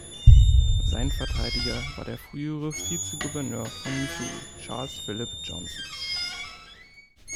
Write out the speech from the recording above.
Sein Verteidiger war der frühere Vizegouverneur von Missouri Charles Phillip Johnson.